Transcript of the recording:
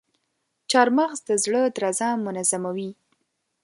چارمغز د زړه درزا منظموي.